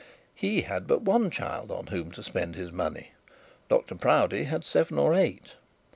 He had but one child on whom to spend his money; Dr Proudie had seven or eight.